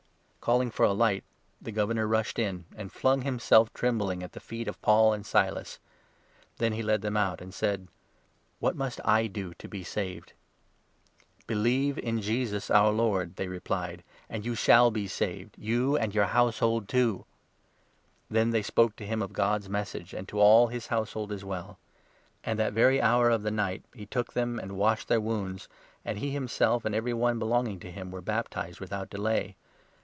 Calling for a light, the Governor rushed in, and flung himself 29 trembling at the feet of Paul and Silas. Then he led them 30 out, and said :" What must I do to be saved ?"" Believe in Jesus, our Lord," they replied, "and you shall 31 be saved, you and your household too." Then they spoke to him of God's Message, and to all his 32 household as well. And that very hour of the night he took 33 them and washed their wounds, and he himself and every one belonging to him were baptized without delay.